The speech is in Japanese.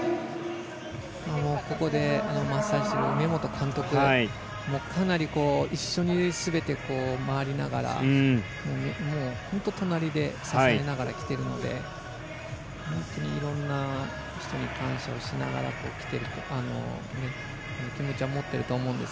ここでマッサージする監督もかなり、一緒にすべて回りながら本当、隣で支えながらきてるので本当にいろんな人に感謝をしながら気持ちを持っていると思います。